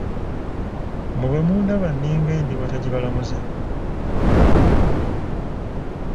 Mwe bwemundaba ninga endiboota gye balamuza?